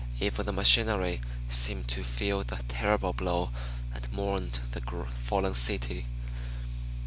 Even the machinery seemed to feel the terrible blow and mourned the fallen city.